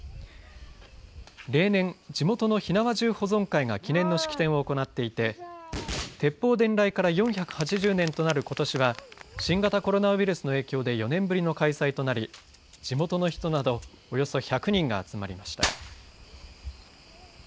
例年、地元の火縄銃保存会が記念の式典を行っていて鉄砲伝来から４８０年となることしは新型コロナウイルスの影響で４年ぶりの開催となり地元の人などおよそ１００人が集まりました。